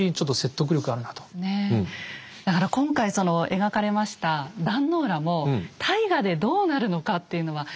だから今回描かれました壇の浦も大河でどうなるのかっていうのは。